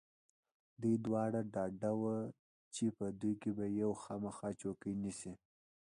دوی دواړه ډاډه و چې په دوی کې به یو خامخا چوکۍ نیسي.